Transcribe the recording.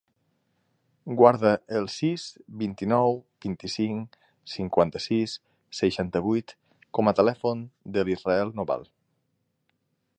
Guarda el sis, vint-i-nou, vint-i-cinc, cinquanta-sis, seixanta-vuit com a telèfon de l'Israel Noval.